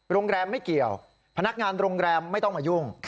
โรงแรมไม่เกี่ยวพนักงานโรงแรมไม่ต้องมายุ่ง